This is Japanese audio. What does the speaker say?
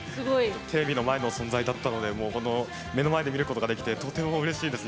テレビの前の存在だったのでもうこの目の前で見ることができてとてもうれしいです。